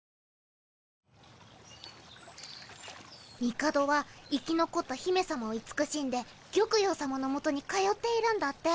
帝は生き残った公主さまを慈しんで玉葉さまの元に通っているんだって。